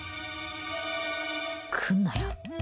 来んなや。